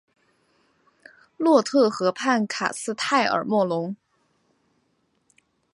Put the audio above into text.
洛特河畔卡斯泰尔莫龙。